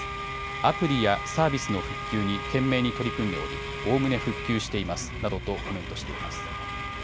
アプリやサービスの復旧に懸命に取り組んでおり、おおむね復旧していますなどとコメントしています。